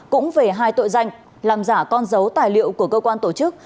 cũng về hai tội danh làm giả con dấu tài liệu của cơ quan tổ chức